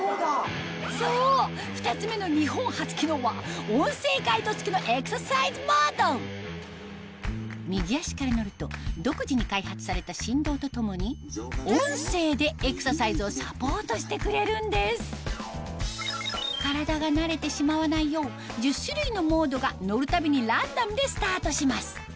そう２つ目の日本初機能は右足から乗ると独自に開発された振動とともに音声でエクササイズをサポートしてくれるんです体が慣れてしまわないよう１０種類のモードが乗るたびにランダムでスタートします